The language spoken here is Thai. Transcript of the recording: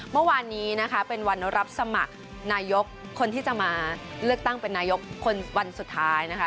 เมื่อวานนี้นะคะเป็นวันรับสมัครนายกคนที่จะมาเลือกตั้งเป็นนายกคนวันสุดท้ายนะคะ